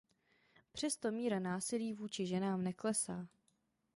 Přesto míra násilí vůči ženám neklesá.